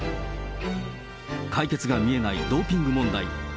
解決が見えないドーピング問題。